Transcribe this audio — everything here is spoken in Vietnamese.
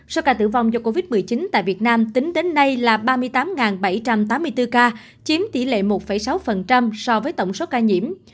số ca tử vong do covid một mươi chín tại việt nam tính đến nay là ba mươi tám bảy trăm tám mươi bốn ca chiếm tỷ lệ một sáu so với tổng số ca nhiễm